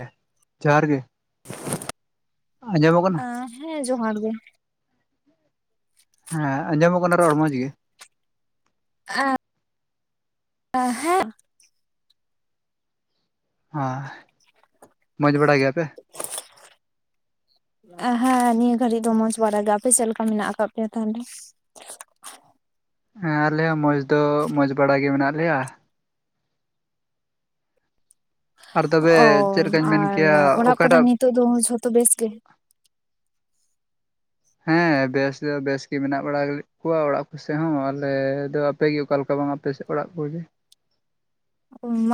[inaudible] ᱡᱚᱦᱟᱨ ᱜᱮ᱾ ᱟᱸᱡᱚᱢᱚᱜ ᱠᱟᱱᱟ ᱟᱸ ᱦᱮᱸ ᱡᱚᱦᱟᱨ ᱜᱮ᱾ ᱦᱮᱸ ᱟᱸᱡᱚᱢᱚᱜ ᱠᱟᱱᱟ ᱨᱚᱲ ᱢᱚᱡᱽ ᱜᱮ᱾ [inaudible] ᱮ ᱦᱮᱸ ᱟ ᱢᱚᱡᱽ ᱵᱟᱲᱟ ᱜᱮᱭᱟ ᱯᱮ᱾ ᱦᱮᱸ ᱱᱤᱭᱟᱹ ᱜᱷᱟᱹᱲᱤᱡ ᱫᱚ ᱢᱚᱸᱡᱽ ᱵᱟᱲᱟ ᱜᱮ, ᱟᱯᱮ ᱪᱮᱫ ᱞᱮᱠᱟ ᱢᱮᱱᱟᱜ ᱟᱠᱟᱫ ᱯᱮᱭᱟ ᱛᱟᱦᱚᱞᱮ? ᱦᱮᱸ ᱟᱞᱮ ᱦᱚᱸ ᱢᱚᱸᱡᱽ ᱫᱚ ᱢᱚᱸᱡᱽ ᱵᱟᱲᱟ ᱜᱮ ᱢᱮᱱᱟᱜ ᱞᱮᱭᱟ᱾ ᱟᱨ ᱛᱚᱵᱮ ᱚ ᱪᱮᱫ ᱞᱮᱠᱟᱧ ᱢᱮᱱ ᱟᱨ ᱠᱮᱭᱟ ᱚᱲᱟᱜ ᱠᱚᱨᱮ ᱚᱠᱟᱴᱟᱜ ᱱᱤᱛᱳᱜ ᱫᱚ ᱡᱷᱚᱛᱚ ᱵᱮᱥ ᱜᱮ᱾ ᱦᱮᱸ ᱵᱮᱥ ᱫᱚ ᱵᱮᱥᱜᱮ ᱢᱮᱱᱟᱜ ᱵᱟᱲᱟ ᱠᱚᱣᱟ ᱚᱲᱟᱜ ᱠᱚᱥᱮᱫ ᱦᱚᱸ ᱟᱞᱮᱫᱚ ᱟᱯᱮ ᱜᱮ ᱚᱠᱟ ᱞᱮᱠᱟ ᱵᱟᱝ ᱟᱯᱮ ᱥᱮᱫ ᱚᱲᱟᱜ ᱠᱚᱜᱮ?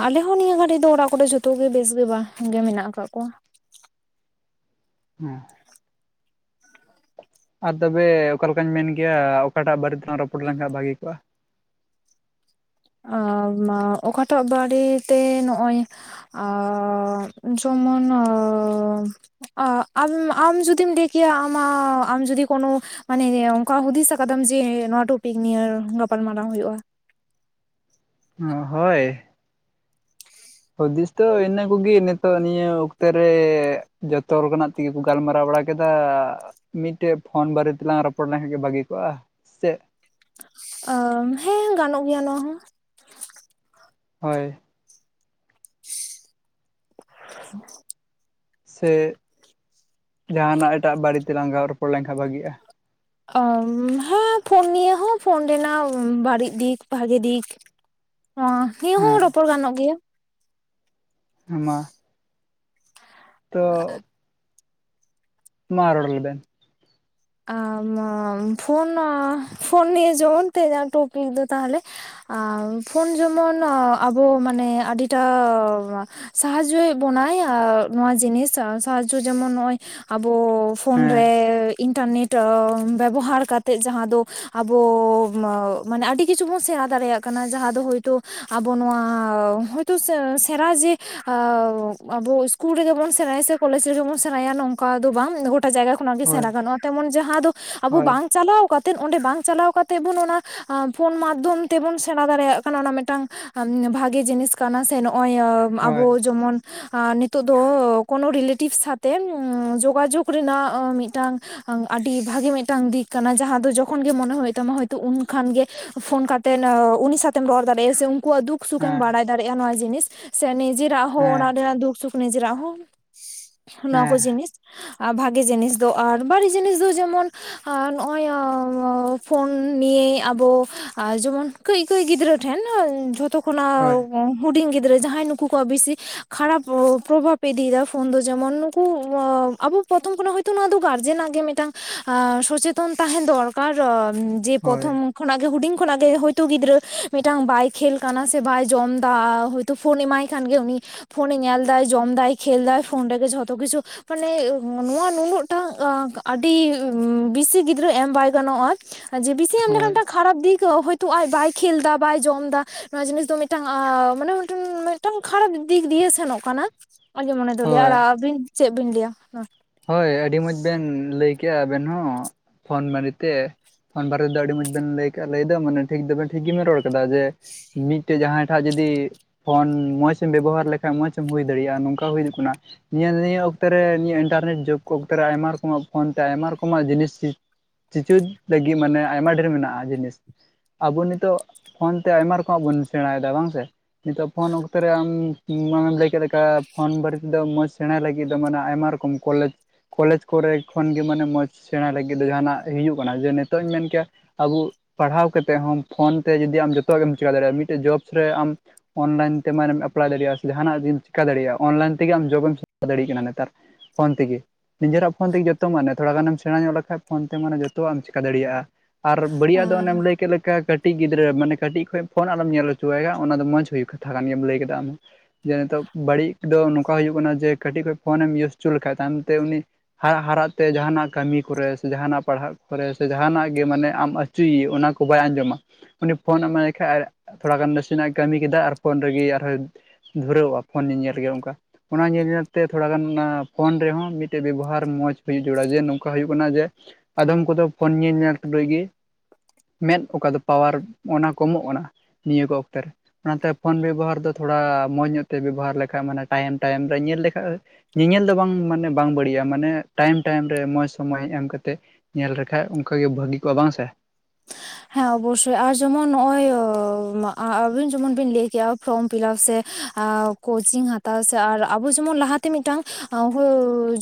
ᱟᱞᱮ ᱦᱚᱸ ᱱᱤᱭᱟᱹ ᱜᱷᱟᱹᱲᱤᱡ ᱫᱚ ᱚᱲᱟᱜ ᱠᱚᱨᱮ ᱡᱷᱚᱛᱚ ᱜᱮ ᱵᱮᱥ ᱜᱮ ᱵᱟᱝ ᱜᱮ ᱢᱮᱱᱟᱜ ᱟᱠᱟᱜ ᱠᱚᱣᱟ᱾ ᱦᱩᱸ ᱟᱨ ᱛᱚᱵᱮ ᱚᱠᱟ ᱞᱮᱠᱟᱧ ᱢᱮᱱ ᱠᱮᱭᱟ, ᱚᱠᱟᱴᱟᱜ ᱵᱟᱨᱮ ᱛᱮᱞᱟᱝ ᱨᱚᱯᱚᱲ ᱞᱮᱱᱠᱷᱟᱱ ᱵᱷᱟᱹᱜᱤ ᱠᱚᱜᱼᱟ᱾ ᱟ ᱢᱟ ᱚᱠᱟᱴᱟᱜ ᱵᱟᱨᱮ ᱛᱮ ᱱᱚᱜᱼᱚᱭ ᱟ ᱡᱮᱢᱚᱱ ᱟ᱾ ᱚ ᱟᱢ ᱟᱢ ᱡᱩᱫᱤᱢ ᱞᱟᱹᱭ ᱠᱮᱭᱟ ᱟᱢᱟᱜ ᱟᱢ ᱡᱩᱫᱤ ᱠᱳᱱᱳ ᱢᱟᱱᱮ ᱚᱱᱠᱟ ᱦᱩᱫᱤᱥ ᱟᱠᱟᱫᱟᱢ ᱡᱮ ᱱᱚᱣᱟ ᱴᱚᱯᱤᱠ ᱱᱤᱭ ᱜᱟᱯᱟᱞᱢᱟᱨᱟᱣ ᱦᱩᱭᱩᱜᱼᱟ᱾ ᱦᱳᱭ᱾ ᱦᱩᱫᱤᱥ ᱫᱚ ᱤᱱᱟᱹ ᱠᱚᱜᱮ ᱱᱤᱛᱚᱜ ᱱᱤᱭᱟᱹ ᱚᱠᱛᱮ ᱨᱮ ᱡᱚᱛᱚ ᱞᱮᱠᱟᱱᱟᱜ᱾ ᱛᱤ ᱠᱚ ᱜᱟᱞᱢᱟᱨᱟᱣ ᱵᱟᱲᱟ ᱠᱮᱫᱟ ᱾ ᱢᱤᱫᱴᱮᱡ ᱯᱷᱳᱱ ᱵᱟᱨᱮᱛᱮᱞᱟᱝ ᱨᱚᱯᱚᱲ ᱞᱮᱱᱠᱷᱟᱱ ᱜᱮ ᱵᱷᱟᱹᱜᱤ ᱠᱚᱜᱼᱟ, ᱥᱮ ᱪᱮᱫ? ᱚ ᱦᱮᱸ ᱜᱟᱱᱚᱜ ᱜᱮᱭᱟ ᱱᱚᱣᱟ ᱦᱚᱸ ᱾ ᱦᱳᱭ, ᱥᱮ ᱡᱟᱦᱟᱱᱟᱜ ᱮᱴᱟᱜ ᱵᱟᱹᱲᱤᱡ ᱛᱮᱞᱟᱝ ᱨᱚᱯᱚᱲ ᱞᱮᱱᱠᱷᱟᱱ ᱵᱷᱟᱜᱤᱜᱼᱟ? ᱦᱮᱸ ᱯᱷᱳᱱ ᱱᱤᱭᱮ ᱦᱚᱸ ᱯᱷᱳᱱ ᱨᱮᱱᱟᱜ ᱵᱟᱹᱲᱤᱡ ᱫᱤᱠ ᱵᱷᱟᱜᱮ ᱫᱤᱠ ᱾ ᱚ ᱱᱤᱭᱟᱹ ᱦᱚᱸ ᱨᱚᱯᱚᱲ ᱜᱟᱱᱚᱜ ᱜᱮᱭᱟ ᱾ ᱢᱟ ᱛᱚ ᱢᱟ ᱨᱚᱬ ᱞᱮᱵᱮᱱ, ᱟ ᱯᱷᱳᱱ ᱯᱷᱳᱱ ᱱᱤᱭᱮ ᱡᱮᱢᱚᱱ ᱛᱮ ᱛᱮᱦᱮᱧᱟᱜ ᱴᱚᱯᱤᱠ ᱫᱚ ᱛᱟᱦᱚᱞᱮ ᱟ ᱯᱷᱳᱱ ᱡᱮᱢᱚᱱ ᱟᱵᱚ ᱢᱟᱱᱮ ᱟᱹᱰᱤᱴᱟ ᱥᱟᱦᱟᱡᱡᱳᱭᱮᱜ ᱵᱚᱱᱟᱭ ᱟᱨ ᱱᱚᱣᱟ ᱡᱤᱱᱤᱥ ᱥᱟᱦᱟᱡᱡᱳ ᱡᱮᱢᱚᱱ ᱱᱚᱜᱼᱚᱭ, ᱟᱵᱚ ᱯᱷᱳᱱ ᱦᱮᱸ ᱨᱮ ᱤᱱᱴᱟᱨᱱᱮᱴ ᱵᱮᱵᱚᱦᱟᱨ ᱠᱟᱛᱮᱫ ᱡᱟᱦᱟᱸ ᱫᱚ ᱟᱵᱚ ᱢᱟᱱᱮ ᱟᱹᱰᱤ ᱠᱤᱪᱷᱩ ᱵᱚᱱ ᱥᱮᱬᱟ ᱫᱟᱲᱮᱭᱟᱜ, ᱠᱟᱱᱟ, ᱡᱟᱦᱟᱸ ᱫᱚ ᱦᱳᱭᱛᱳ ᱟᱵᱚ ᱱᱚᱣᱟ ᱦᱚᱭᱛᱳ ᱥᱮᱨᱟ ᱡᱮ ᱟᱵᱚ ᱤᱥᱠᱩᱞ ᱨᱮᱜᱮ ᱵᱚᱱ ᱥᱮᱬᱟᱭᱟ ᱥᱮ ᱠᱚᱞᱮᱡᱽ ᱨᱮᱜᱮ ᱵᱚᱱ ᱥᱮᱬᱟᱭᱟ ᱱᱚᱝᱠᱟ ᱫᱚ ᱵᱟᱝ᱾ ᱜᱚᱴᱟ ᱡᱟᱭᱜᱟ ᱠᱷᱚᱱ ᱚᱱᱟ ᱜᱮ ᱦᱳᱭ ᱥᱮᱬᱟ ᱜᱟᱱᱚᱜᱼᱟ ᱛᱮᱢᱚᱱ ᱡᱟᱦᱟᱸ ᱫᱚ ᱟᱵᱚ ᱦᱳᱭ ᱵᱟᱝ ᱪᱟᱞᱟᱣ ᱠᱟᱛᱮᱜ ᱚᱸᱰᱮ ᱵᱟᱝ ᱪᱟᱞᱟᱣ ᱠᱟᱛᱮᱜ ᱵᱚᱱ ᱚᱱᱟ ᱯᱷᱳᱱ ᱢᱟᱫᱽᱫᱷᱚᱢ ᱛᱮᱵᱚᱱ ᱥᱮᱬᱟ ᱫᱟᱲᱮᱭᱟᱜ ᱠᱟᱱᱟ᱾ ᱚᱱᱟ ᱢᱤᱫᱴᱟᱝ ᱵᱷᱟᱜᱮ ᱡᱤᱱᱤᱥ ᱠᱟᱱᱟ, ᱥᱮ ᱱᱚᱜᱼᱚᱭ ᱦᱳᱭ ᱟᱵᱚ ᱡᱮᱢᱚᱱ ᱟᱨ ᱱᱤᱛᱳᱜ ᱫᱚ ᱠᱳᱱᱳ ᱨᱤᱞᱮᱴᱤᱵᱽ ᱥᱟᱣᱛᱮ ᱡᱳᱜᱟᱡᱳᱜᱽ ᱨᱮᱱᱟᱜ ᱢᱤᱫᱴᱟᱝ ᱟᱹᱰᱤ ᱵᱷᱟᱜᱮ ᱢᱤᱫᱴᱟᱝ ᱫᱤᱠ ᱠᱟᱱᱟ ᱡᱟᱦᱟᱸ ᱫᱚ ᱡᱚᱠᱷᱚᱱ ᱜᱮ ᱢᱚᱱᱮ ᱦᱩᱭᱩᱜ ᱛᱟᱢᱟ ᱦᱳᱭᱛᱳ ᱩᱱ ᱠᱷᱟᱱ ᱜᱮ ᱯᱷᱳᱱ ᱠᱟᱛᱮᱫ ᱩᱱᱤ ᱥᱟᱶᱛᱮᱢ ᱨᱚᱲ ᱫᱟᱲᱮᱭᱟᱜᱼᱟ᱾ ᱥᱮ ᱩᱱᱠᱩᱣᱟᱜ ᱫᱩᱠ ᱥᱩᱠᱷᱮᱢ ᱦᱮᱸ ᱵᱟᱲᱟᱭ ᱫᱟᱲᱮᱼᱟ᱾ ᱱᱚᱣᱟ ᱡᱤᱱᱤᱥ ᱥᱮ ᱱᱤᱡᱮᱨᱟᱜ ᱦᱚᱸ ᱦᱮᱸ ᱚᱲᱟᱜ ᱨᱮᱭᱟᱜ ᱫᱩᱠ ᱥᱩᱠᱷ ᱱᱤᱡᱮᱨᱟᱜ ᱦᱚᱸ ᱱᱚᱣᱟ ᱠᱚ ᱦᱮᱸ ᱡᱤᱱᱤᱥ ᱟᱨ ᱵᱷᱟᱜᱮ ᱡᱤᱱᱤᱥ ᱫᱚ᱾ ᱟᱨ ᱵᱟᱹᱲᱤᱡ ᱡᱤᱱᱤᱥ ᱫᱚ ᱡᱮᱢᱚᱱ ᱱᱚᱜᱼᱚᱭ ᱯᱷᱳᱱ ᱱᱤᱭᱮ ᱟᱵᱚ ᱟᱨ ᱡᱮᱢᱚᱱ ᱠᱟᱹᱡ ᱠᱟᱹᱡ ᱜᱤᱫᱽᱨᱟᱹ ᱴᱷᱮᱱ ᱡᱷᱚᱛᱚ ᱦᱳᱭ ᱠᱷᱚᱱᱟᱜ ᱦᱩᱰᱤᱧ ᱜᱤᱫᱽᱨᱟᱹ ᱡᱟᱦᱟᱸᱭ ᱱᱩᱠᱩ ᱠᱚᱣᱟᱜ ᱵᱮᱥᱤ ᱠᱷᱟᱨᱟᱯ ᱯᱨᱚᱵᱷᱟᱵ ᱤᱫᱤᱭᱮᱫᱟᱭ ᱾ᱯᱷᱳᱱ ᱫᱚ ᱡᱮᱢᱚᱱ ᱱᱩᱠᱩ ᱟᱵᱚ ᱯᱚᱛᱷᱚᱢ ᱠᱷᱚᱱᱟᱜ ᱦᱚᱭ ᱛᱚ ᱱᱚᱭᱟ ᱫᱚ ᱜᱟᱨᱡᱮᱱᱟᱜ ᱜᱮ ᱢᱤᱫᱴᱟᱝ ᱥᱚᱪᱮᱛᱚᱱ ᱛᱟᱦᱮᱸᱱ ᱫᱚᱨᱠᱟᱨ, ᱡᱮ ᱦᱳᱭ ᱯᱨᱚᱛᱷᱚᱢ ᱠᱷᱚᱱᱟᱜ ᱜᱮ ᱦᱩᱰᱤᱧ ᱠᱷᱚᱱᱟᱜ ᱜᱮ ᱦᱚᱭᱛᱚ ᱜᱤᱫᱽᱨᱟᱹ ᱢᱤᱫᱴᱟᱝ ᱵᱟᱭ ᱠᱷᱮᱞ ᱠᱟᱱᱟ ᱥᱮ ᱵᱟᱭ ᱡᱚᱢ ᱫᱟ ᱛᱚ ᱯᱷᱳᱱ ᱮᱢᱟᱭ ᱠᱷᱟᱱ ᱜᱮ ᱩᱱᱤ ᱯᱷᱳᱱᱮ ᱧᱮᱞᱫᱟᱭ, ᱡᱚᱢᱫᱟᱭ, ᱠᱷᱮᱞ ᱫᱟᱭ, ᱯᱷᱳᱱ ᱨᱮᱜᱮ ᱡᱷᱚᱛᱚ ᱠᱤᱪᱷᱩ ᱢᱟᱱᱮ ᱱᱚᱣᱟ ᱱᱩᱱᱟᱹᱜ ᱴᱟᱜ ᱟᱹᱰᱤ ᱵᱮᱥᱤ ᱜᱤᱫᱽᱨᱟᱹ ᱮᱢ ᱵᱟᱭ ᱜᱟᱱᱚᱜᱼᱟ᱾ ᱡᱮ ᱵᱮᱥᱤ ᱮᱢ ᱦᱳᱭ ᱞᱮᱠᱷᱟᱱ ᱴᱟᱜ ᱠᱷᱟᱨᱟᱯ ᱫᱤᱠ ᱦᱚᱭᱛᱳ ᱟᱡ ᱵᱟᱭ ᱠᱷᱮᱞ ᱫᱟ ᱵᱟᱭ ᱡᱚᱢ ᱫᱟ ᱾ ᱱᱚᱣᱟ ᱡᱤᱱᱤᱥ ᱫᱚ ᱢᱤᱫᱴᱟᱝ ᱢᱟᱱᱮ ᱢᱤᱫ ᱢᱤᱫᱴᱟᱝ ᱠᱷᱟᱨᱟᱯ ᱫᱤᱠ ᱫᱤᱭᱮ ᱥᱮᱱᱚᱜ ᱠᱟᱱᱟ ᱾ ᱟᱞᱤᱧᱟᱜ ᱢᱚᱱᱮ ᱫᱚ ᱞᱟᱹᱭᱟ, ᱦᱳᱭ ᱟᱨ ᱟᱹᱵᱤᱱ ᱪᱮᱫ ᱵᱤᱱ ᱞᱟᱹᱭᱟ? ᱦᱳᱭ ᱟᱹᱰᱤ ᱢᱚᱸᱡᱽ ᱵᱮᱱ ᱞᱟᱹᱭ ᱠᱮᱜᱼᱟ ᱟᱵᱮᱱ ᱦᱚᱸ ᱯᱷᱳᱱ ᱵᱟᱨᱮᱛᱮ ᱾ ᱯᱷᱳᱱ ᱵᱟᱨᱮ ᱛᱮᱫ ᱟᱹᱰᱤ ᱢᱚᱸᱡᱽ ᱵᱮᱱ ᱞᱟᱹᱭ ᱞᱟᱹᱭ ᱫᱚ ᱢᱟᱱᱮ ᱴᱷᱤᱠ ᱫᱚ ᱴᱷᱤᱠ ᱜᱮᱵᱮᱱ ᱨᱚᱲ ᱠᱮᱫᱟ ᱡᱮ‌, ᱢᱤᱫᱴᱮᱡ ᱡᱟᱦᱟᱸᱭ ᱴᱷᱟᱜ ᱡᱩᱫᱤ ᱯᱷᱳᱱ ᱢᱚᱸᱡᱽᱢ ᱵᱮᱵᱚᱦᱟᱨ ᱞᱮᱠᱷᱟᱡ ᱢᱚᱸᱡᱽ ᱮᱢ ᱦᱩᱭ ᱫᱟᱲᱮᱭᱟᱜᱼᱟ ᱱᱚᱝᱠᱟ ᱦᱩᱭᱩᱜ ᱠᱟᱱᱟ ᱾ ᱱᱤᱭᱟᱹ ᱱᱤᱭᱟᱹ ᱚᱠᱛᱮ ᱨᱮ ᱱᱤᱭᱟᱹ ᱤᱱᱴᱟᱨᱱᱮᱴ ᱡᱩᱜᱽ ᱚᱠᱛᱮ ᱨᱮ ᱟᱭᱢᱟ ᱨᱚᱠᱚᱢᱟᱜ ᱯᱷᱳᱱ ᱛᱮ ᱟᱭᱢᱟ ᱨᱚᱠᱚᱢᱟᱜ ᱡᱤᱱᱤᱥ, ᱪᱤᱪᱩ ᱞᱟᱹᱜᱤᱫ ᱢᱟᱱᱮ ᱟᱭᱢᱟ ᱰᱷᱮᱨ ᱢᱮᱱᱟᱜᱼᱟ ᱡᱤᱱᱤᱥ ᱾ ᱟᱵᱚ ᱱᱤᱛᱚᱜ ᱯᱷᱳᱱ ᱛᱮ ᱟᱭᱢᱟ ᱨᱚᱠᱚᱢᱟᱜ ᱵᱚᱱ ᱥᱮᱬᱟᱭᱮᱫᱟ ᱵᱟᱝ ᱥᱮ? ᱱᱤᱛᱚᱜ ᱯᱷᱳᱱ ᱚᱠᱛᱚ ᱨᱮ ᱟᱢ ᱟᱢᱮᱢ ᱞᱟᱹᱭ ᱠᱮᱫ ᱞᱮᱠᱟ ᱯᱷᱳᱱ ᱵᱟᱨᱮ ᱛᱮᱫᱚ ᱢᱚᱡᱽ ᱥᱮᱬᱟᱭ ᱞᱟᱹᱜᱤᱫ ᱫᱚ ᱢᱟᱱᱮ ᱟᱭᱢᱟ ᱨᱚᱠᱚᱢᱼᱼ ᱠᱚᱞᱮᱡᱽ ᱠᱚᱞᱮᱡᱽ ᱠᱚᱨᱮ ᱠᱷᱚᱱᱜᱮ ᱢᱟᱱᱮ ᱢᱚᱡᱽ ᱥᱮᱬᱟ ᱞᱟᱹᱜᱤᱫ ᱫᱚ ᱡᱟᱦᱟᱱᱟᱜ ᱦᱤᱡᱩᱜ ᱠᱟᱱᱟ ᱡᱮ ᱱᱤᱛᱚᱜ ᱤᱧ ᱢᱮᱱ ᱠᱮᱭᱟᱼᱼ ᱟᱵᱚ ᱯᱟᱲᱦᱟᱣ ᱠᱟᱛᱮᱫ ᱦᱚᱸ ᱯᱷᱳᱱ ᱛᱮ ᱡᱚᱫᱤ ᱟᱢ ᱡᱚᱛᱚᱣᱟᱜ ᱜᱮ ᱮᱢ ᱪᱤᱠᱟᱹ ᱫᱟᱲᱮᱭᱟᱜᱼᱟ ᱢᱤᱫᱴᱮᱡ ᱡᱚᱵ ᱨᱮ ᱟᱢᱼᱼ ᱚᱱᱞᱟᱭᱤᱱ ᱛᱮ ᱢᱟᱱᱮᱢ ᱮᱯᱞᱟᱭ ᱫᱟᱲᱮᱭᱟᱜᱼᱟ ᱥᱮ ᱡᱟᱦᱟᱱᱟᱜ ᱡᱩᱫᱤᱢ ᱪᱤᱠᱟᱹ ᱫᱟᱲᱮᱭᱟᱜᱼᱟ ᱚᱱᱞᱟᱭᱤᱱ ᱛᱮᱜᱮᱢ ᱡᱚᱵᱮᱢ ᱥᱮ ᱫᱟᱲᱮᱭᱟᱜ ᱠᱟᱱᱟ ᱱᱮᱛᱟᱨ ᱾ ᱯᱷᱳᱱ ᱛᱮᱜᱮ ᱱᱤᱡᱮᱨᱟᱜ ᱯᱷᱳᱱ ᱛᱮᱜᱮ ᱡᱚᱛᱚ ᱢᱟᱱᱮ ᱛᱷᱚᱲᱟ ᱜᱟᱱᱮᱢ ᱥᱮᱬᱟ ᱧᱚᱜ ᱞᱮᱠᱷᱟᱡ, ᱯᱷᱳᱱ ᱛᱮ ᱢᱟᱱᱮ ᱡᱚᱛᱚᱣᱟᱜ ᱮᱢ ᱪᱮᱠᱟ ᱫᱟᱲᱮᱭᱟᱜᱼᱟ ᱟᱨ ᱵᱟᱹᱲᱤᱡᱟᱜ ᱫᱚ ᱦᱮᱸ ᱚᱱᱮᱢ ᱞᱟᱹᱭ ᱠᱮᱫ ᱞᱮᱠᱟ ᱠᱟᱹᱴᱼᱼ ᱠᱟᱹᱴᱤᱡ ᱜᱤᱫᱽᱨᱟᱹ ᱢᱟᱱᱮ ᱠᱟᱹᱴᱤᱡ ᱠᱷᱚᱡ ᱯᱷᱳᱱ ᱟᱞᱚᱢ ᱧᱮᱞ ᱦᱚᱪᱚᱣᱟᱭᱟ ᱚᱱᱟ ᱫᱚ ᱢᱚᱸᱡᱽ ᱦᱩᱭᱩᱜ ᱠᱟᱛᱷᱟ ᱠᱟᱱ ᱜᱮᱭᱟᱢ ᱞᱟᱹᱭ ᱠᱮᱫᱟ ᱾ ᱡᱮ ᱱᱤᱛᱚᱜ ᱵᱟᱹᱲᱤᱡ ᱫᱚ ᱱᱚᱝᱠᱟ ᱦᱩᱭᱩᱜ ᱠᱟᱱᱟ ᱡᱮ ᱠᱟᱹᱴᱤᱡ ᱠᱷᱚᱱ ᱯᱷᱳᱱᱮᱢ ᱤᱭᱩᱡ ᱦᱚᱪᱚ ᱞᱮᱠᱷᱟᱡ ᱛᱟᱭᱚᱢᱛᱮ ᱩᱱᱤ, ᱦᱟᱨᱟᱜ ᱦᱟᱨᱟᱜ ᱛᱮ ᱡᱟᱦᱟᱱᱟᱜ ᱠᱟᱹᱢᱤ ᱠᱚᱨᱮ ᱥᱮ ᱡᱟᱦᱟᱱᱟᱜ ᱯᱟᱲᱦᱟᱜ ᱠᱚᱨᱮ ᱥᱮ ᱡᱟᱦᱟᱱᱟᱜ ᱜᱮ ᱢᱟᱱᱮ ᱟᱢᱼᱼ ᱪᱤ ᱚᱱᱟ ᱠᱚ ᱵᱟᱭ ᱟᱸᱡᱚᱢᱟ᱾ ᱩᱱᱤ ᱯᱷᱳᱱ ᱮᱢᱟᱭᱮ ᱠᱷᱟᱡ ᱟᱨ ᱛᱷᱚᱲᱟ ᱜᱟᱱ ᱱᱟᱥᱮᱱᱟᱜᱼ ᱮ ᱠᱟᱹᱢᱤ ᱠᱮᱫᱟ ᱟᱨ ᱯᱷᱳᱱ ᱨᱮᱜᱮ ᱟᱨᱦᱚᱸᱼᱼ ᱫᱷᱩᱨᱟᱹᱣᱚᱜᱼᱟ ᱯᱷᱳᱱ ᱧᱮᱧᱮᱞ ᱜᱮ ᱚᱱᱠᱟ ᱚᱱᱟ ᱧᱮᱞ ᱧᱮᱞ ᱛᱮ ᱛᱷᱚᱲᱟ ᱜᱟᱱ ᱚᱱᱟ, ᱯᱷᱳᱱ ᱨᱮᱦᱚᱸ ᱢᱤᱫᱴᱮᱡ ᱵᱮᱵᱚᱦᱟᱨ ᱢᱚᱸᱡᱽ ᱦᱩᱭᱩᱜ ᱡᱚᱲᱟ ᱡᱮ ᱱᱚᱝᱠᱟ ᱦᱩᱭᱩᱜ ᱠᱟᱱᱟ ᱡᱮ, ᱟᱫᱚᱢ ᱠᱚᱫᱚ ᱯᱷᱳᱱ ᱧᱮ ᱧᱮᱞ ᱴᱩᱞᱩᱡ ᱜᱮᱼᱼ ᱢᱮᱸᱫ ᱚᱠᱟ ᱫᱚ ᱯᱟᱣᱟᱨ ᱚᱱᱟ ᱠᱚᱢᱚᱜ ᱠᱟᱱᱟ ᱱᱤᱭᱟᱹ ᱠᱚ ᱚᱠᱛᱮ ᱨᱮ ᱾ ᱚᱱᱟᱛᱮ ᱯᱷᱳᱱ ᱵᱮᱵᱚᱦᱟᱨ ᱫᱚ ᱛᱷᱚᱲᱟ ᱢᱚᱸᱡᱽ ᱧᱚᱜ ᱛᱮ ᱵᱮᱵᱚᱦᱟᱨ ᱞᱮᱠᱷᱟᱡ ᱢᱟᱱᱮ ᱴᱟᱭᱤᱢ ᱴᱟᱭᱤᱢ ᱨᱮ ᱧᱮᱞ ᱞᱮᱠᱷᱟᱡ, ᱧᱮᱧᱮᱞ ᱫᱚ ᱵᱟᱝ ᱢᱟᱱᱮ ᱵᱟᱝ ᱵᱟᱹᱲᱤᱡᱼᱟ ᱢᱟᱱᱮ ᱴᱟᱭᱤᱢ ᱴᱟᱭᱤᱢ ᱨᱮ ᱢᱚᱸᱡᱽ ᱥᱚᱢᱚᱭ ᱮᱢ ᱠᱟᱛᱮᱫ ᱾ ᱧᱮᱞ ᱞᱮᱠᱷᱟᱡ ᱚᱱᱠᱟᱜᱮ ᱵᱷᱟᱹᱜᱤ ᱠᱚᱜᱼᱟ ᱵᱟᱝ ᱥᱮ ᱾ ᱦᱮᱸ ᱚᱵᱚᱥᱳᱭ ᱟᱨ ᱡᱮᱢᱚᱱ ᱱᱚᱜ ᱚᱭ ᱟᱹᱵᱤᱱ ᱡᱮᱢᱚᱱ ᱵᱤᱱ ᱞᱟᱹᱭ ᱠᱮᱜᱼᱟ ᱯᱷᱨᱚᱢ ᱯᱷᱤᱞᱟᱯ ᱥᱮ, ᱠᱳᱪᱤᱝ ᱦᱟᱛᱟᱣ ᱥᱮ ᱟᱨ ᱟᱵᱚ ᱡᱮᱢᱚᱱ ᱞᱟᱦᱟᱛᱮ ᱢᱤᱫᱴᱟᱝ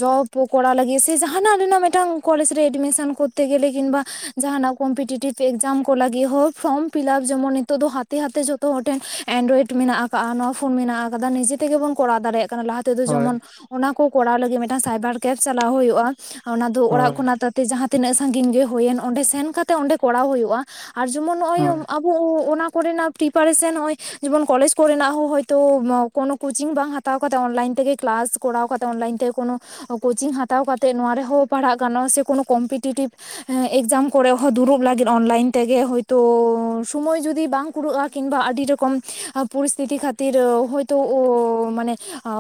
ᱡᱚᱵᱼᱼ ᱯᱚ ᱠᱚᱨᱟᱣ ᱞᱟᱹᱜᱤᱫ ᱥᱮ ᱡᱟᱦᱟᱱᱟᱜ ᱨᱮᱱᱟᱜ ᱢᱤᱫᱴᱟᱝ ᱠᱚᱞᱮᱡᱽ ᱨᱮ ᱮᱰᱢᱤᱥᱮᱱ ᱠᱚᱨᱛᱮ ᱜᱮᱞᱮ ᱠᱤᱢᱵᱟ ᱡᱟᱦᱟᱱᱟᱜ ᱠᱚᱢᱯᱤᱴᱤᱴᱤᱵᱽᱼᱼ ᱮᱠᱡᱟᱢ ᱠᱚ ᱞᱟᱹᱜᱤᱫ ᱦᱚᱸ ᱯᱷᱨᱚᱢ ᱯᱷᱤᱞᱟᱯ ᱡᱮᱢᱚᱱ ᱱᱤᱛᱚᱜ ᱫᱚ ᱦᱟᱛᱮ ᱦᱟᱛᱮ ᱡᱷᱚᱛᱚ ᱦᱚᱲ ᱴᱷᱮᱱ ᱮᱱᱰᱨᱚᱭᱮᱰ ᱢᱮᱱᱟᱜᱼᱟ ᱾ ᱠᱟᱜ-ᱟ ᱱᱚᱣᱟ ᱯᱷᱳᱱ ᱢᱮᱱᱟᱜ ᱟᱠᱟᱫᱟ ᱱᱤᱡᱮ ᱛᱮᱜᱮᱵᱚᱱ ᱠᱚᱨᱟᱣ ᱫᱟᱲᱮᱭᱟᱜ ᱠᱟᱱᱟ ᱞᱟᱦᱟᱼᱼ ᱛᱮᱫᱚ ᱦᱳᱭ ᱡᱮᱢᱚᱱ ᱚᱱᱟ ᱠᱚ ᱠᱚᱨᱟᱣ ᱞᱟᱹᱜᱤᱫ ᱢᱤᱫᱴᱟᱝ ᱥᱟᱭᱵᱟᱨ ᱠᱮᱯ ᱪᱟᱞᱟᱣ ᱦᱳᱭᱳᱜᱼᱟ ᱾ ᱚᱱᱟ ᱫᱚ ᱚᱲᱟᱜ ᱦᱳᱭ ᱠᱷᱚᱱᱟᱜ ᱛᱟᱛᱮ ᱡᱟᱦᱟᱸ ᱛᱤᱱᱟᱹᱜ ᱥᱟᱺᱜᱤᱧ ᱜᱮ ᱦᱩᱭᱮᱱ ᱚᱸᱰᱮ ᱥᱮᱱ ᱠᱟᱛᱮᱜ ᱚᱸᱰᱮ ᱠᱚᱨᱟᱣ ᱦᱳᱭᱳᱜᱼᱟ ᱾ ᱟᱨ ᱡᱮᱢᱚᱱ ᱱᱚᱜᱼᱚᱭ, ᱦᱳᱭ ᱟᱵ ᱚᱱᱟ ᱠᱚᱨᱮᱱᱟᱜ ᱯᱨᱤᱯᱟᱨᱮᱥᱚᱱ ᱱᱚᱜ ᱚᱭ ᱡᱮᱢᱚᱱ ᱠᱚᱞᱮᱡᱽ ᱠᱚᱨᱮᱱᱟᱜ ᱦᱚᱸ ᱦᱚᱭᱛᱚ ᱠᱳᱱᱳ ᱠᱳᱪᱤᱝ ᱵᱟᱝ ᱦᱟᱛᱟᱣ, ᱦᱟᱛᱟᱣ ᱠᱟᱛᱮ ᱚᱱᱞᱟᱭᱤᱱ ᱛᱮᱜᱮ ᱠᱞᱟᱥ ᱠᱚᱨᱟᱣ ᱠᱟᱛᱮ ᱚᱱᱞᱟᱭᱤᱱ ᱛᱮ ᱠᱳᱱᱳᱼᱼ ᱠᱳᱪᱤᱝ ᱦᱟᱛᱟᱣ ᱠᱟᱛᱮᱜ ᱱᱚᱣᱟ ᱨᱮᱦᱚᱸ ᱯᱟᱲᱦᱟᱜ ᱜᱟᱱᱚᱜᱼᱟ ᱥᱮ ᱠᱳᱱᱳ ᱠᱚᱢᱯᱤᱴᱤᱴᱤᱵᱷᱼᱼ ᱮᱠᱡᱟᱢ ᱠᱚᱨᱮ ᱦᱚᱸ ᱫᱩᱲᱩᱵ, ᱞᱟᱹᱜᱤᱫ ᱚᱱᱞᱟᱭᱤᱱ ᱛᱮᱜᱮ ᱦᱳᱭᱛᱳ ᱥᱳᱢᱳᱭ ᱡᱩᱫᱤ ᱵᱟᱝ ᱠᱩᱨᱟᱹᱜᱼᱟ ᱠᱤᱢᱵᱟ ᱟᱹᱰᱤ ᱨᱚᱠᱚᱢᱼᱼ ᱯᱚᱨᱤᱥᱛᱷᱤᱛᱤ ᱠᱷᱟᱹᱛᱤᱨ ᱦᱳᱭᱛᱳ ᱢᱟᱱᱮ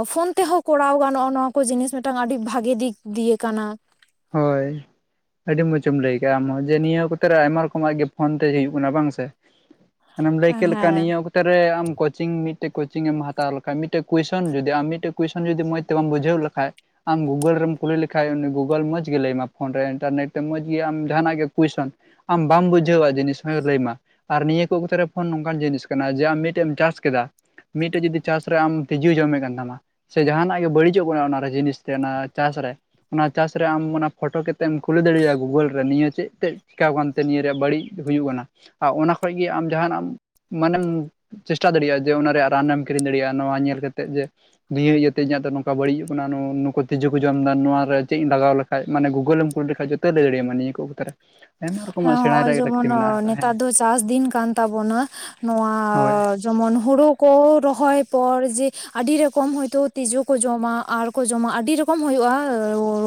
ᱯᱷᱳᱱ ᱛᱮᱦᱚᱸ ᱠᱚᱨᱟᱣ ᱜᱟᱱᱚᱜ ᱱᱚᱣᱟᱼᱼ ᱠᱚ ᱡᱤᱱᱤᱥ ᱢᱤᱫᱴᱟᱝ ᱟᱹᱰᱤ ᱵᱷᱟᱜᱮ ᱫᱤᱠ ᱫᱤᱭᱮ ᱠᱟᱱᱟ ᱾ ᱦᱳᱭ ᱾ ᱟᱹᱰᱤ ᱢᱚᱸᱡᱮᱢ ᱞᱟᱹᱭ ᱠᱮᱫᱮᱜᱼᱟ ᱟᱢᱦᱚᱸ ᱡᱮ ᱱᱤᱭᱟᱹ ᱠᱚᱛᱮ ᱟᱭᱢᱟ ᱨᱚᱠᱚᱢᱟᱜ ᱜᱮ ᱯᱷᱳᱱ ᱛᱮ ᱦᱳᱭ ᱠᱟᱱᱟ ᱵᱟᱝ ᱥᱮ ᱾ ᱢᱟᱱᱮᱢ ᱞᱟᱹᱭ ᱠᱮᱫ ᱞᱮᱠᱟ ᱦᱮᱸ ᱱᱤᱭᱟᱹᱼᱼ ᱚᱴ ᱨᱮ ᱟᱢ ᱠᱳᱪᱤᱝ ᱢᱤᱫᱴᱮᱡ ᱠᱳᱪᱤᱝ ᱮᱢ ᱦᱟᱛᱟᱣ ᱞᱮᱠᱷᱟᱡ ᱢᱤᱫᱴᱮᱱ ᱠᱩᱭᱥᱚᱱ ᱡᱩᱫᱤ ᱟᱢ ᱢᱤᱫᱴᱮᱱ ᱠᱩᱭᱥᱚᱱ ᱡᱩᱫᱤ ᱢᱚᱡᱼᱼ ᱛᱮ ᱵᱟᱢ ᱵᱡᱷᱟᱹᱣ ᱞᱮᱠᱷᱟᱱ ᱟᱢ ᱜᱩᱜᱩᱞ ᱨᱮᱢ ᱠᱩᱞᱤ ᱞᱮᱠᱷᱟᱱ ᱩᱱᱤᱼᱼ ᱜᱩᱜᱳᱞ ᱢᱚᱡᱽ ᱜᱮ ᱞᱟᱹᱭᱟᱢᱟ ᱯᱷᱳᱱ ᱨᱮ ᱤᱱᱴᱟᱨᱱᱮᱴ ᱛᱮ ᱢᱚᱡᱽ ᱜᱮ ᱟᱢ ᱡᱟᱦᱟᱱᱟᱜ ᱜᱮ ᱠᱩᱭᱥᱚᱱᱼᱼ ᱟᱢ ᱵᱟᱢ ᱵᱩᱡᱷᱟᱹᱣᱟ ᱡᱤᱱᱤᱥ ᱦᱚᱸᱭ ᱞᱟᱹᱭ ᱢᱟ᱾ ᱟᱨ ᱱᱤᱭᱟᱹ ᱠᱚ ᱠᱷᱮᱛᱨᱮ ᱯᱷᱳᱱ ᱱᱚᱝᱠᱟᱱ ᱡᱤᱱᱤᱥ ᱠᱟᱱᱟ ᱡᱮ ᱟᱢ ᱢᱤᱫᱴᱮᱡ ᱮᱢ ᱴᱨᱟᱪ ᱠᱮᱫᱟᱼᱼ ᱢᱤᱫᱴᱮᱡ ᱡᱩᱫᱤ ᱪᱟᱥ ᱨᱮ ᱟᱢ ᱛᱤᱡᱩᱭ ᱡᱚᱢᱮ ᱠᱟᱱ ᱛᱟᱢᱟ, ᱥᱮ ᱡᱟᱦᱟᱸᱱᱟᱜ ᱜᱮ ᱵᱟᱹᱲᱤᱡᱚᱜ ᱠᱟᱱᱟ ᱚᱱᱟ ᱨᱮ ᱡᱤᱱᱤᱥ ᱛᱮ ᱚᱱᱟ ᱪᱟᱪ ᱨᱮᱼᱼ ᱪᱟᱥ ᱨᱮ ᱟᱢ ᱚᱱᱟ ᱯᱷᱳᱴᱳ ᱠᱟᱛᱮᱢ ᱠᱩᱞᱤ ᱫᱟᱲᱮᱭᱟᱜᱼᱟ ᱜᱩᱜᱳᱞ ᱨᱮ ᱱᱤᱭᱟᱹ ᱪᱮᱫ ᱛᱮᱼᱼ ᱪᱮᱠᱟᱣ ᱠᱟᱱᱛᱮ ᱱᱤᱭᱟᱹ ᱨᱮᱭᱟᱜ ᱵᱟᱹᱲᱤᱡ ᱦᱩᱭᱩᱜ ᱠᱟᱱᱟ ᱟᱨ ᱚᱱᱟ ᱠᱷᱚᱡ ᱜᱮ ᱟᱢ ᱡᱟᱦᱟᱸ ᱱᱟᱜ ᱢᱟᱱᱮᱢᱼᱼ ᱪᱮᱥᱴᱟ ᱫᱟᱲᱮᱭᱟᱜᱼᱟ ᱡᱮ ᱚᱱᱟ ᱨᱮᱭᱟᱜ ᱨᱟᱱᱮᱢ ᱠᱤᱨᱤᱧ ᱫᱟᱲᱤᱭᱟᱜᱼᱟ᱾ ᱱᱚᱣᱟ ᱧᱮᱞ ᱠᱟᱛᱮᱜ ᱡᱮ ᱱᱤᱭᱟᱹ ᱤᱭᱟᱹᱛᱮ ᱤᱧᱟᱹᱜ ᱫᱚ ᱱᱚᱝᱠᱟ ᱵᱟᱹᱲᱤᱡᱜ ᱠᱟᱱᱟ ᱱᱩ-ᱱᱩᱠᱩ ᱛᱤᱡᱩ ᱠᱚ ᱡᱚᱢ ᱫᱟ ᱱᱚᱣᱟ ᱨᱮ ᱪᱮᱜ ᱤᱧ ᱞᱟᱜᱟᱣ ᱞᱮᱠᱷᱟᱡ ᱢᱟᱱᱮ ᱜᱩᱜᱳᱞᱮᱢ ᱠᱩᱞ ᱞᱮᱠᱷᱟᱡ ᱡᱚᱛᱚᱭ ᱞᱟᱹᱭ ᱫᱟᱲᱮᱭᱟᱢᱟ ᱱᱤᱭᱟᱹ ᱠᱚ ᱚᱠᱛᱚ ᱨᱮ᱾ ᱦᱮᱸ ᱦᱚᱜᱼᱚᱭ ᱡᱮᱢᱚᱱ ᱱᱮᱛᱟᱨ ᱫᱚ ᱪᱟᱥ ᱫᱤᱱ ᱠᱟᱱ ᱛᱟᱵᱚᱱᱟ᱾ ᱦᱳᱭ ᱱᱚᱣᱟ-ᱼ ᱡᱚᱢᱚᱱ ᱦᱩᱲᱩ ᱠᱚ ᱨᱚᱦᱚᱭ ᱯᱚᱨ ᱡᱮ ᱟᱹᱰᱤ ᱨᱮᱠᱚᱢ ᱦᱳᱭᱛᱳ ᱛᱤᱡᱩ ᱠᱚ ᱡᱚᱢᱟ, ᱟᱨᱠᱚ ᱡᱚᱢᱟ ᱟᱹᱰᱤ ᱨᱮᱠᱚᱢ ᱦᱳᱭᱳᱜᱼᱟ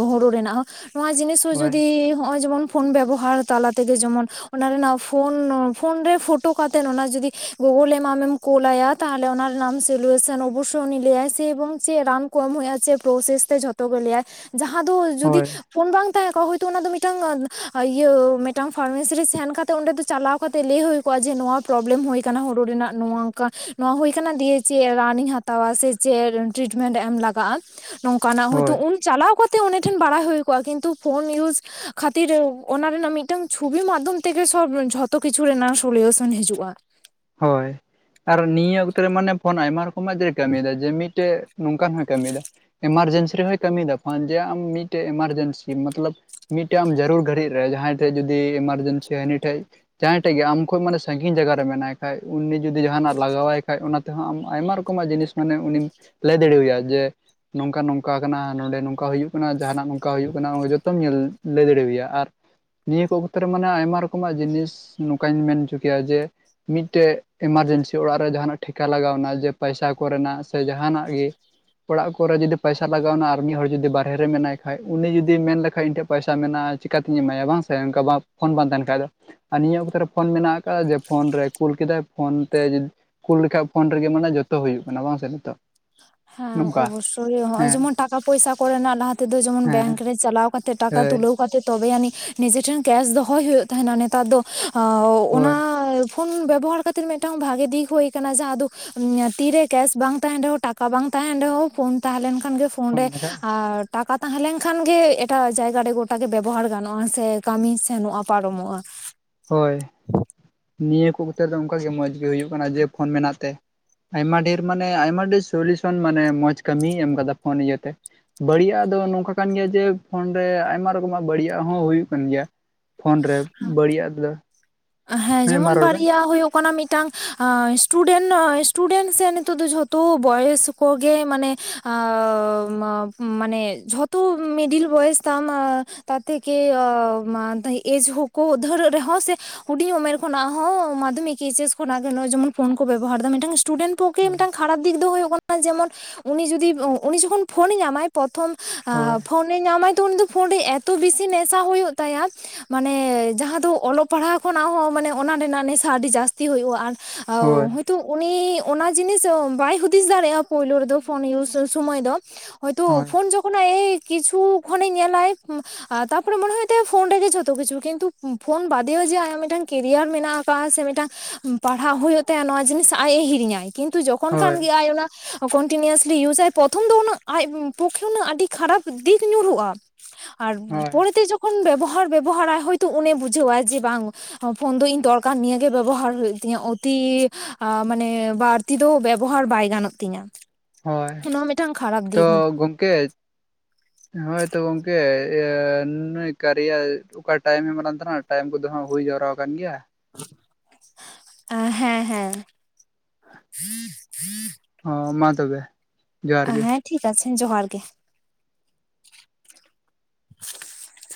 ᱦᱳᱲᱳ ᱨᱮᱱᱟᱜ ᱦᱚᱸ᱾ ᱱᱚᱣᱟ ᱡᱤᱱᱤᱥ ᱦᱚᱸ ᱦᱳᱭ ᱡᱩᱫᱤ ᱦᱚᱸᱜᱼᱚᱭ ᱡᱮᱢᱚᱱ ᱯᱷᱳᱱ ᱵᱮᱵᱚᱦᱟᱨ ᱛᱟᱞᱟ ᱛᱮᱜᱮ ᱡᱚᱢᱚᱱ ᱚᱱᱟ ᱨᱮᱱᱟᱜ ᱯᱷᱳᱱ-ᱯᱷᱳᱱ ᱨᱮ ᱯᱷᱳᱴᱳ ᱠᱟᱛᱮᱱ ᱚᱱᱟ ᱡᱩᱫᱤ ᱜᱩᱜᱩᱞᱮᱢ ᱟᱢᱮᱢ ᱠᱳᱞᱟᱭᱟ ᱛᱟᱦᱚᱞᱮ ᱚᱱᱟ ᱨᱮᱱᱟᱜ ᱟᱢ ᱥᱮᱞᱩᱭᱮᱥᱮᱱ ᱚᱵᱚᱥᱳ ᱩᱱᱤ ᱞᱟᱹᱭᱟᱭ ᱥᱮ ᱮᱵᱚᱝ ᱪᱮᱜ ᱨᱟᱱ ᱠᱚ ᱮᱢ ᱦᱳᱭᱳᱜᱼᱟ ᱪᱮᱜ ᱯᱨᱚᱥᱮᱥ ᱛᱮ ᱡᱷᱚ ᱛᱚᱜᱮ ᱞᱮᱭᱟᱭ ᱡᱟᱦᱟᱸ ᱫᱚ ᱡᱩᱫᱤ ᱦᱳᱭ ᱯᱷᱳᱱ ᱵᱟᱝ ᱛᱟᱦᱮᱸ ᱠᱚᱜᱼᱟ ᱦᱳᱭᱛᱳ ᱚᱱᱟ ᱫᱚ ᱢᱤᱫᱴᱟᱝ ᱤᱭᱟᱹ ᱢᱮᱫᱴᱟᱝ ᱯᱷᱟᱨᱢᱮᱥᱤ ᱨᱮ ᱥᱮᱱ ᱠᱟᱛᱮᱜ ᱚᱸᱰᱮ ᱫᱚ ᱪᱟᱞᱟᱣ ᱠᱟᱛᱮᱜ ᱞᱮ ᱦᱳᱭ ᱠᱚᱜᱼᱟ ᱡᱮ ᱱᱚᱣᱟ ᱯᱨᱚᱵᱞᱮᱢ ᱦᱳᱭ ᱠᱟᱱᱟ ᱦᱳᱲᱳ ᱨᱮᱱᱟᱜ ᱱᱚᱭᱟ ᱱᱚᱣᱟ ᱚᱝᱠᱟ᱾ ᱱᱚᱣᱟ ᱦᱳᱭ ᱠᱟᱱᱟ ᱫᱤᱭᱮ ᱪᱮᱜ ᱨᱟᱱᱤᱧ ᱦᱟᱛᱟᱣᱟ ᱥᱮ ᱪᱮᱫ ᱴᱨᱤᱴᱢᱮᱱᱴ ᱮᱢ ᱞᱟᱠ [unintelligible] ᱱᱚᱝᱠᱟᱱᱟᱜ ᱦᱳᱭᱛᱳ ᱦᱳᱭ ᱩᱱ ᱪᱟᱞᱟᱣ ᱠᱟᱛᱮᱜ ᱩᱱᱤ ᱴᱷᱮᱱ ᱵᱟᱲᱟᱭ ᱦᱩᱭ ᱠᱚᱜᱼᱟ ᱠᱤᱱᱛᱩ ᱯᱷᱳᱱ ᱤᱭᱩᱡᱽ ᱠᱷᱟᱛᱤᱨ ᱚᱱᱟ ᱨᱮᱱᱟᱜ ᱢᱤᱫᱴᱟᱝ ᱪᱷᱚᱵᱤ ᱢᱟᱫᱽᱫᱷᱚᱢ ᱛᱮᱜᱮ ᱥᱚᱵ ᱡᱷᱚᱛᱚ ᱠᱤᱪᱷᱩ ᱨᱮᱱᱟᱝ ᱥᱚᱞᱤᱭᱳᱥᱚᱱ ᱦᱤᱡᱩᱜᱼᱟ᱾ ᱦᱳᱭ ᱟᱨ ᱱᱤᱭᱟᱹ ᱚᱠᱛᱚ ᱨᱮ ᱢᱟᱱᱮ ᱯᱷᱳᱱ ᱟᱭᱢᱟ ᱨᱚᱠᱚᱢᱟᱜ ᱜᱮ ᱠᱟᱹᱢᱤᱭᱮᱫᱟ ᱡᱮ ᱢᱤᱫᱴᱮᱜ ᱱᱚᱝᱠᱟᱱ ᱦᱥᱸᱭ ᱠᱟᱹᱢᱤᱫᱟ ᱮᱢᱟᱨᱡᱮᱱᱥᱤ ᱨᱮᱦᱚᱸᱭ ᱠᱟᱹᱢᱤᱫᱟ ᱯᱷᱳᱱ ᱡᱮ ᱟᱢ ᱢᱤᱫᱴᱮᱡ ᱮᱢᱟᱨᱡᱮᱱᱥᱤ ᱢᱟᱛᱞᱟᱹᱵ ᱢᱤᱫᱴᱟᱝ ᱟᱢ ᱡᱟᱹᱨᱩᱲ ᱜᱷᱟᱹᱲᱤᱡ ᱨᱮ ᱡᱟᱦᱟᱸᱭ ᱴᱷᱮᱡ ᱡᱩᱫᱤ ᱮᱢᱟᱨᱡᱮᱱᱥᱤ ᱦᱟᱹᱱᱤᱴᱷᱮᱡ ᱡᱟᱦᱟᱸᱭ ᱴᱷᱮᱡ ᱜᱮ ᱟᱢ ᱠᱷᱚᱡ ᱢᱟᱱᱮ ᱥᱟᱺᱜᱤᱧ ᱡᱟᱭᱜᱟ ᱨᱮ ᱢᱮᱱᱟᱭ ᱠᱷᱟᱡ ᱩᱱᱤ ᱡᱩᱫᱤ ᱡᱟᱦᱟᱱᱟᱜ ᱞᱟᱜᱟᱣᱟᱭ ᱠᱷᱟᱡ ᱚᱱᱟ ᱛᱮᱦᱚᱸ ᱟᱢ ᱟᱭᱢᱟ ᱨᱚᱠᱚᱢᱟᱜ ᱡᱤᱱᱤᱥ ᱢᱟᱱᱮ ᱩᱱᱤᱢ ᱞᱟᱹᱭ ᱫᱟᱲᱮᱣᱭᱟ ᱡᱮ-ᱼ ᱱᱚᱝᱠᱟ ᱱᱚᱝᱠᱟ ᱠᱟᱱᱟ, ᱱᱚᱸᱰᱮ ᱱᱚᱝᱠᱟ ᱦᱩᱭᱩᱜ ᱠᱟᱱᱟ ᱟᱨ ᱡᱟᱦᱟᱱᱟᱜ ᱱᱚᱝᱠᱟ ᱦᱩᱭᱩᱜ ᱠᱟᱱᱟ ᱡᱚᱛᱚᱢ ᱧᱮᱞ ᱞᱟᱹᱭ ᱫᱟᱲᱮᱣᱭᱟ ᱟᱨ ᱱᱤᱭᱟᱹ ᱠᱚ ᱚᱠᱛᱚ ᱨᱮ ᱢᱟᱱᱮ ᱟᱭᱢᱟ ᱨᱚᱠᱚᱢᱟᱜ ᱡᱤᱱᱤᱥ ᱱᱚᱝᱠᱟᱧ ᱢᱮᱱ ᱪᱚ ᱠᱮᱭᱟ ᱡᱮ ᱢᱤᱫᱴᱮᱡ ᱮᱢᱟᱨᱡᱮᱱᱥᱤ ᱚᱲᱟᱜ ᱨᱮ ᱡᱟᱦᱟᱱᱟᱜ ᱴᱷᱮᱠᱟ ᱞᱟᱜᱟᱣᱱᱟ ᱡᱮ ᱯᱟᱭᱥᱟ ᱠᱚᱨᱮᱱᱟᱜ ᱥᱮ ᱡᱟᱦᱟᱸᱱᱟᱜ ᱜᱮ ᱚᱲᱟᱜ ᱠᱚᱨᱮ ᱡᱩᱫᱤ ᱯᱟᱭᱥᱟ ᱞᱟᱜᱟᱣᱱᱟ᱾ ᱟᱨᱢᱤᱫ ᱦᱚᱲ ᱡᱩᱫᱤ ᱵᱟᱨᱦᱮᱨᱮ ᱢᱮᱱᱟᱭ ᱠᱷᱟᱡ, ᱩᱱᱤ ᱡᱩᱫᱤ ᱢᱮᱱ ᱞᱮᱠᱷᱟᱡ ᱤᱧ ᱴᱷᱮᱡ ᱯᱟᱭᱥᱟ ᱢᱮᱱᱟᱜᱼᱟ᱾ ᱪᱤᱠᱟᱛᱤᱧ ᱮᱢᱟᱭᱟ ᱵᱟᱝ ᱥᱮ ᱚᱱᱠᱟ ᱵᱟ ᱯᱷᱳᱱ ᱵᱟᱝ ᱛᱟᱦᱮᱱ ᱠᱷᱟᱡ ᱫᱚ ᱟᱨ ᱱᱤᱭᱟᱹ ᱚᱠᱛᱚ ᱨᱮ ᱯᱷᱳᱱ ᱢᱮᱱᱟᱜ ᱟᱠᱟᱜᱼᱟ ᱡᱮ ᱯᱷᱳᱱ ᱨᱮ ᱠᱩᱞ ᱠᱮᱫᱟᱭ ᱯᱷᱳᱱ ᱛᱮ ᱠᱩᱞ ᱞᱮᱠᱟᱡ ᱯᱷᱳᱱ ᱨᱮᱜᱮ ᱢᱟᱱᱮ ᱡᱷᱚᱛᱚ ᱦᱩᱭᱩᱜ ᱠᱟᱱᱟ᱾ ᱵᱟᱝ ᱥᱮ ᱱᱤᱛᱚᱜ? ᱦᱮᱸ ᱱᱚᱝᱠᱟ ᱚᱵᱚᱥᱥᱳᱭ ᱦᱚᱜᱚᱭ ᱦᱮᱸ ᱡᱮᱢᱚᱱ ᱴᱟᱠᱟ ᱯᱚᱭᱥᱟ ᱠᱚᱨᱮᱱᱟᱜ ᱞᱟᱦᱟ ᱛᱮᱫᱚ ᱡᱮᱢᱚᱱ ᱦᱮᱸ ᱵᱮᱝᱠ ᱨᱮ ᱪᱟᱞᱟᱣ ᱠᱟᱛᱮ ᱴᱟᱠᱟ ᱦᱳᱭ ᱛᱩᱞᱟᱹᱣ ᱠᱟᱛᱮᱫ ᱛᱚᱵᱮᱭᱟᱱᱤᱡ ᱱᱤᱡᱮᱴᱷᱮᱱ ᱠᱮᱥ ᱫᱚᱦᱚᱭ ᱦᱳᱭᱳᱜ ᱛᱟᱦᱮᱱᱟ᱾ ᱱᱮᱛᱟᱨ ᱫᱚ ᱦᱳᱭ ᱚᱱᱟ ᱯᱷᱳᱱ ᱵᱮᱵᱚᱦᱟᱨ ᱠᱛᱮᱫ ᱢᱤᱫᱴᱟᱝ ᱵᱷᱟᱜᱮ ᱫᱤᱠ ᱦᱳᱭ ᱠᱟᱱᱟ ᱡᱟᱦᱟᱸ ᱫᱚ ᱛᱤᱨᱮ ᱠᱮᱥ ᱵᱟᱝ ᱛᱟᱦᱮᱱ ᱨᱮᱦᱚᱸ ᱴᱟᱠᱟ ᱠᱟ ᱵᱟᱝ ᱛᱟᱦᱮᱸᱱ ᱨᱮᱦᱚᱸ ᱯᱷᱳᱱ ᱛᱟᱦᱮᱸ ᱞᱮᱱᱠᱷᱟᱱ ᱜᱮ ᱯᱷᱳᱱ ᱨᱮ ᱟᱨ ᱴᱟᱠᱟ ᱛᱟᱦᱮᱸ ᱞᱮᱱ ᱠᱷᱟᱱ ᱜᱮ ᱮᱴᱟᱜ ᱡᱟᱭᱜᱟ ᱨᱮ ᱜᱚᱴᱟ ᱜᱮ ᱵᱮᱵᱚᱦᱟᱨ ᱜᱟᱱᱚᱜᱼᱟ ᱥᱮ ᱠᱟᱹᱢᱤ ᱥᱮᱱᱚᱜᱼᱟ ᱯᱟᱨᱚᱢᱚᱜᱼᱟ᱾ ᱦᱳᱭ ᱱᱤᱭᱟᱹ ᱠᱚ ᱠᱷᱟᱹᱛᱤᱨ ᱫᱚ ᱚᱱᱠᱟᱜᱮ ᱢᱚᱸᱡᱽ ᱜᱮ ᱦᱩᱭᱩᱜ ᱠᱟᱱᱟ ᱡᱮ ᱯᱷᱳᱱ ᱢᱮᱱᱟᱜ ᱛᱮ᱾ ᱟᱭᱢᱟ ᱰᱷᱮᱨ ᱢᱟᱱᱮ ᱟᱭᱢᱟ ᱰᱷᱮᱨ ᱥᱚᱞᱤᱭᱩᱥᱚᱱ ᱢᱟᱱᱮ ᱢᱚᱸᱡᱽ ᱠᱟᱹᱢᱤ ᱮᱢ ᱠᱟᱫᱟ ᱯᱷᱳᱱ ᱤᱭᱟᱹᱛᱮ᱾ ᱵᱟᱹᱲᱤᱡᱟᱜ ᱫᱚ ᱱᱚᱝᱠᱟ ᱠᱟᱱ ᱜᱮᱭᱟ ᱡᱮ ᱯᱷᱳᱱ ᱨᱮ ᱟᱭᱢᱟ ᱨᱚᱠᱚᱢᱟᱜ ᱵᱟᱹᱲᱤᱡᱟᱜ ᱦᱚᱸ ᱦᱩᱭᱩᱜ ᱠᱟᱱ ᱜᱮᱭᱟ᱾ ᱯᱷᱳᱱ ᱨᱮ ᱵᱟᱹᱲᱤᱡᱟᱜ ᱫᱚ ᱦᱮᱸ ᱢᱟ ᱡᱮᱢᱚᱱ ᱨᱚᱲ ᱵᱮᱱ ᱵᱟᱨᱭᱟ ᱦᱩᱭᱩᱜ ᱠᱚᱱᱟ ᱢᱤᱫᱴᱟᱝ ᱟᱸ ᱥᱴᱩᱰᱮᱱ ᱥᱴᱩᱰᱮᱱ ᱥᱮ ᱱᱤᱛᱚᱜ ᱫᱚ ᱡᱷᱚᱛᱚ ᱵᱚᱭᱮᱥ ᱠᱚ ᱜᱮ ᱢᱟᱱᱮ ᱟᱳ ᱢᱟᱱᱮ ᱡᱷᱚᱛᱚ ᱢᱤᱰᱤᱞ ᱵᱚᱭᱮᱥ ᱛᱟᱢ ᱟ ᱛᱟᱛ ᱛᱷᱮᱠᱮ ᱮᱡ ᱦᱳᱠᱳᱜ ᱫᱷᱟᱹᱨᱟᱹ ᱨᱮᱦᱚᱸ ᱥᱮ ᱦᱩᱰᱤᱧ ᱩᱢᱮᱨ ᱠᱷᱚᱱᱟᱜ ᱦᱚᱸ ᱢᱟᱫᱽᱫᱷᱚᱢᱤᱠ ᱮᱭᱤᱪ ᱮᱥ ᱠᱷᱚᱱᱥᱜ ᱜᱮ ᱱᱚᱜ-ᱚᱭ ᱡᱮᱢᱚᱱ ᱯᱷᱳᱱ ᱠᱚ ᱵᱮᱵᱚᱦᱟᱨᱫᱟ᱾ ᱢᱤᱫᱴᱟᱝ ᱥᱴᱤᱪᱮᱱᱢ ᱯᱚᱠᱠᱷᱮ ᱦᱳᱭ ᱢᱤᱫᱴᱟᱝ ᱠᱷᱟᱨᱟᱯ ᱫᱤᱠ ᱫᱚ ᱦᱳᱭᱳᱜ ᱠᱟᱱᱟ ᱡᱮᱢᱚᱱ ᱩᱱᱤ ᱡᱩᱫᱤ ᱩᱱᱤ ᱡᱚᱠᱷᱚᱱ ᱯᱷᱳᱱᱮ ᱧᱟᱢᱟᱭ ᱟ ᱯᱚᱛᱷᱚᱢ ᱦᱳᱭ ᱯᱷᱳᱱ ᱧᱟᱢᱟᱭ ᱛᱚ ᱩᱱᱤ ᱫᱚ ᱯᱷᱳᱱ ᱨᱮ ᱮᱛᱚ ᱵᱤᱥᱤ ᱱᱮᱥᱟ ᱦᱳᱭᱳᱜ ᱛᱟᱭᱟ ᱢᱟᱱᱮ ᱡᱟᱦᱟᱸ ᱫᱚ ᱚᱞᱚᱜ ᱯᱟᱲᱦᱟᱣ ᱠᱷᱚᱱᱟᱜ ᱦᱚᱸ ᱢᱟᱱᱮ ᱚᱱᱟ ᱨᱮᱱᱟᱜ ᱱᱮᱥᱟ ᱟᱹᱰᱤ ᱡᱟᱹᱥᱛᱤ ᱦᱩᱭᱩᱜᱼᱟ ᱟᱨ ᱦᱳᱭ ᱟᱣ ᱛᱚ ᱩᱱᱤ ᱚᱱᱟ ᱡᱤᱱᱤᱥ ᱵᱟᱭ ᱦᱩᱫᱤᱥ ᱫᱟᱲᱮᱭᱟᱜᱼᱟ ᱯᱳᱭᱞᱳ ᱨᱮᱫᱚ ᱯᱷᱳᱱ ᱤᱭᱩᱥ ᱥᱚᱢᱚᱭ ᱫᱚ ᱦᱚᱭᱛᱳ ᱦᱳᱭ ᱯᱷᱳᱱ ᱡᱚᱠᱷᱚᱱ ᱟᱡ ᱮ ᱠᱤᱪᱷᱩ ᱠᱷᱚᱱᱮ ᱧᱮᱞᱟᱭ ᱟ ᱛᱟᱯᱚᱨᱮ ᱢᱚᱱᱮ ᱦᱩᱭᱩᱜ ᱛᱟᱭᱟ ᱯᱷᱳᱱ ᱨᱮᱜᱮ ᱡᱷᱚᱛᱚ ᱠᱤᱪᱷᱩ ᱠᱤᱱᱛᱩ ᱯᱷᱚᱱ ᱵᱟᱫᱮᱭᱚ ᱡᱮ ᱟᱭᱢᱟ ᱢᱤᱫᱴᱟᱝ ᱠᱮᱨᱤᱭᱟᱨ ᱢᱮᱱᱟᱜ ᱠᱟᱫᱼᱟ ᱥᱮ ᱢᱤᱫᱴᱟᱝ ᱯᱟᱲᱦᱟᱣ ᱦᱩᱭᱩᱜ ᱛᱟᱭᱟ ᱱᱚᱣᱟ ᱡᱤᱱᱤᱥ ᱟᱡ ᱮ ᱦᱤᱨᱤᱧᱟᱭ ᱠᱤᱱᱛᱩ ᱡᱚᱠ ᱠᱚᱱ ᱦᱳᱭ ᱠᱷᱟᱱ ᱜᱮ ᱟᱡ ᱚᱱᱟ ᱠᱚᱱᱴᱤᱱᱤᱭᱩᱥᱞᱤ ᱤᱭᱩᱥ ᱟᱭ ᱯᱚᱛᱷᱚᱢ ᱫᱚ ᱩᱱᱟᱹᱜ ᱟᱡ ᱯᱚᱠᱠᱷᱮ ᱩᱱᱟᱹᱜ ᱟᱹᱰᱤ ᱠᱷᱟᱨᱟᱯ ᱫᱤᱠ ᱧᱩᱨᱩᱜᱼᱟ᱾ ᱟᱨ ᱦᱳᱭ ᱯᱚᱨᱮᱛᱮ ᱡᱚᱠᱷᱚᱱ ᱵᱮᱵᱚᱦᱟᱨ ᱵᱮᱵᱚᱦᱟᱨᱟᱭ ᱦᱳᱭᱛᱳ ᱩᱱᱤ ᱵᱩᱡᱷᱟᱹᱣᱟᱭ ᱡᱮ ᱵᱟᱝ ᱯᱷᱳᱱ ᱫᱚ ᱤᱧ ᱫᱚᱨᱠᱟᱨ ᱱᱤᱭᱟᱹᱜ ᱜᱮ ᱵᱮᱵᱚᱦᱟᱨ ᱦᱩᱭᱩᱜ ᱛᱤᱧᱟᱹ ᱚᱛᱤ ᱟ ᱢᱟᱱᱮ ᱵᱟᱨ ᱛᱤ ᱫᱚ ᱵᱮᱵᱚᱦᱟᱨ ᱵᱟᱭ ᱜᱟᱱᱚᱜ ᱛᱤᱧᱟᱹ᱾ ᱦᱚᱭ ᱱᱚᱣᱟ ᱢᱤᱫᱴᱟᱝ ᱠᱷᱟᱨᱟᱯ ᱛᱚ ᱫᱤᱠ ᱜᱚᱝᱠᱮ ᱦᱳᱭᱛᱚ ᱜᱚᱝᱠᱮ ᱤᱭᱟᱹ ᱱᱩᱭ ᱠᱟᱨᱭᱟ ᱚᱠᱟ ᱴᱟᱭᱤᱢ ᱮ ᱮᱢᱟᱜ ᱞᱟᱝ ᱛᱟᱦᱮᱸᱱᱟ ᱴᱟᱭᱤᱢ ᱠᱚᱫᱚ ᱦᱟᱸᱜ ᱦᱩᱭ ᱡᱟᱣᱨᱟᱣ ᱟᱠᱟᱱ ᱜᱮᱭᱟ᱾ ᱟ ᱦᱮᱸ ᱦᱮᱸ᱾ ᱚ ᱢᱟ ᱛᱚᱵᱮ᱾ ᱡᱚᱦᱟᱨ ᱜᱮ ᱦᱮᱸ ᱴᱷᱤᱠ ᱟᱪᱷᱮ ᱡᱚᱦᱟᱨ ᱜᱮ᱾ [unintelligible]